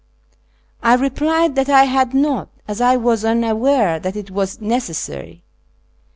I re plied that I had not, as I was unaware that it was necessary.